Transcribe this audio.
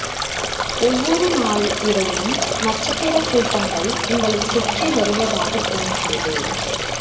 ஒவ்வொருநாள் இரவும், நட்சத்திரக் கூட்டங்கள் உங்களைச்சுற்றி வருவதாகத் தோன்றியது.